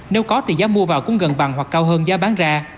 nếu có thì giá mua vào cũng gần bằng hoặc cao hơn giá bán ra